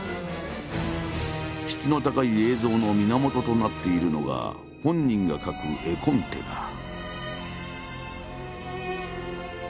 質の高い映像の源となっているのが本人が描く絵コンテだ。